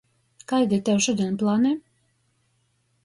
Kaidi tev šudiņ plani?